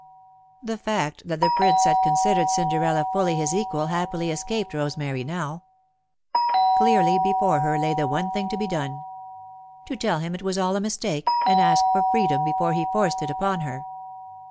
The fact that the Prince had considered Cinderella fully his equal happily escaped Rosemary now. Clearly before her lay the one thing to be done: to tell him it was all a mistake, and ask for freedom before he forced it upon her.